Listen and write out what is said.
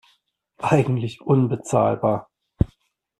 Eigentlich unbezahlbar.